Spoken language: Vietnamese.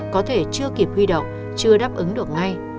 có thể chưa kịp huy động chưa đáp ứng được ngay